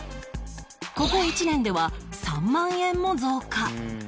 ここ１年では３万円も増加